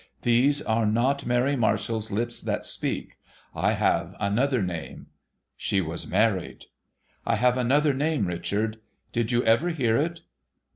These are not Mary Marshall's lips that speak. I have another name.' She was married. ' I have another name, Richard. Did you ever hear it